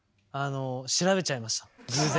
調べちゃいました偶然。